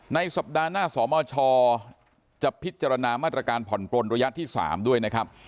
สัปดาห์หน้าสมชจะพิจารณามาตรการผ่อนปลนระยะที่๓ด้วยนะครับ